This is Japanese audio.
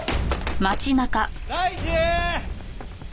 大地！